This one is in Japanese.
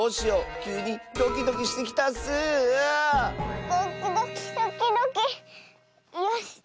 よし。